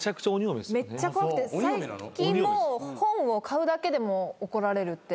めっちゃ怖くて最近も本を買うだけでも怒られるって。